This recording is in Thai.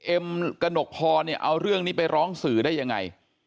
เอ็มกระหนกพรเนี่ยเอาเรื่องนี้ไปร้องสื่อได้ยังไง